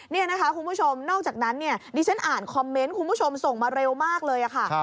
นี่นะคะคุณผู้ชมนอกจากนั้นเนี่ยดิฉันอ่านคอมเมนต์คุณผู้ชมส่งมาเร็วมากเลยค่ะ